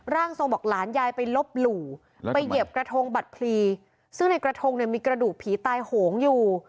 ร่างทรงบอกหลานยายไปลบหลู่ไปเหยียบกระทงบัตรพลีซึ่งในกระทงเนี่ยมีกระดูกผีตายโหงอยู่